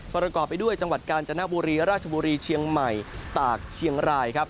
ประกอบไปด้วยจังหวัดกาญจนบุรีราชบุรีเชียงใหม่ตากเชียงรายครับ